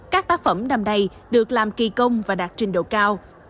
các tác phẩm năm nay được làm kỳ công và đạt trình độ cao